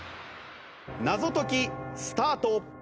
謎解きスタート。